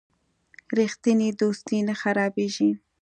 رښتینی دوستي نه خرابیږي.